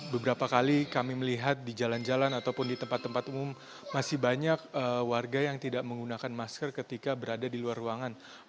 beberapa kali kami melihat di jalan jalan ataupun di tempat tempat umum masih banyak warga yang tidak menggunakan masker ketika berada di luar ruangan